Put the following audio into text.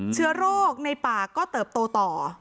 เชื้อโรคในป่าก็เติบโตต่อ